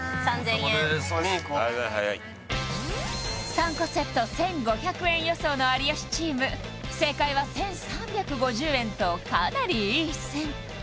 ３個セット１５００円予想の有吉チーム正解は１３５０円とかなりいい線